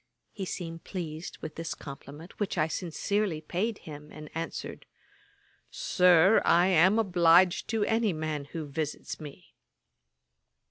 He seemed pleased with this compliment, which I sincerely paid him, and answered, 'Sir, I am obliged to any man who visits me.'